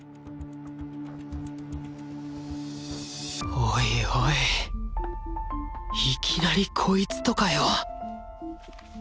おいおいいきなりこいつとかよ！